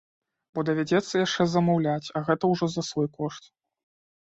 Бо давядзецца яшчэ замаўляць, а гэта ўжо за свой кошт.